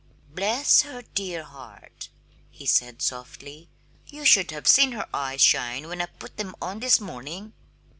"Bless her dear heart!" he said softly. "You should have seen her eyes shine when I put them on this morning!"